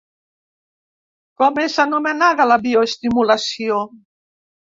Com és anomenada la bioestimulació?